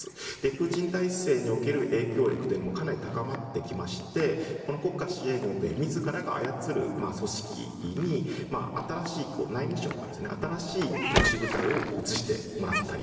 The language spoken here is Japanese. プーチン体制における影響力もかなり高まってきていて国家親衛軍という自らが操る組織に新しい特殊部隊を内務省から移してもらったり